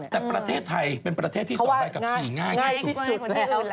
แต่ประเทศไทยเป็นประเทศที่ส่งใบขับขี่ง่ายที่สุด